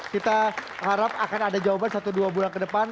kita harap akan ada jawaban satu dua bulan ke depan